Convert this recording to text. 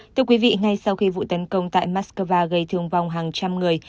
thưa quý vị ngay sau khi vụ tấn công tại moscow gây thương vong hàng trăm người